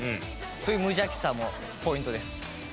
そういう無邪気さもポイントです。